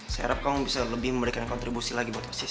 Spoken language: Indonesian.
saya harap kamu bisa lebih memberikan kontribusi lagi buat isis